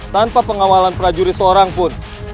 tanpa pengawalan prajurit seorang pun